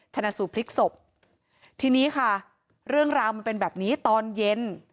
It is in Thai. ชนะสูตรพลิกศพทีนี้ค่ะเรื่องราวมันเป็นแบบนี้ตอนเย็น